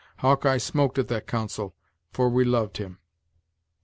Hawk eye smoked at that council, for we loved him."